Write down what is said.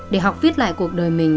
để học viết lại cuộc đời mình